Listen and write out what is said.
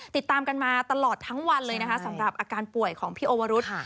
ติดตามกันมาตลอดทั้งวันเลยนะคะสำหรับอาการป่วยของพี่โอวรุษ